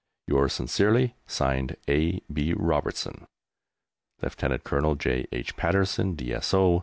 Yours sincerely, (Signed) A. B. ROBERTSON. Lieut. Col. J. H. Patterson, D.S.O.